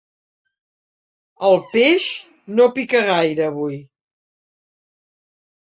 El peix no pica gaire, avui.